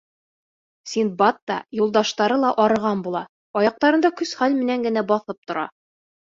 Синдбад та, юлдаштары ла арыған була, аяҡтарында көс-хәл менән генә баҫып тора.